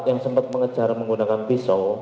yang sempat mengejar menggunakan pisau